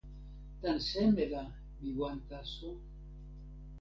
tan seme la mi wan taso?